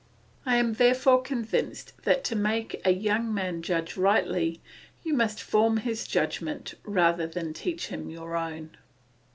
I am therefore convinced that to make a young man judge rightly, you must form his judgment rather than teach him your own.